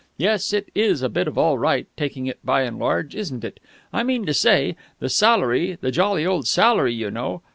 Yes, it is a bit of all right, taking it by and large, isn't it? I mean to say, the salary, the jolly old salary, you know